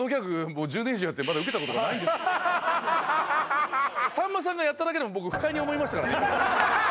さんまさんさんまさんがやっただけでも僕不快に思いましたからね